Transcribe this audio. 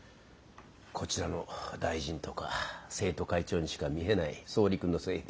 こちらの大臣とか生徒会長にしか見えない総理君のせいで。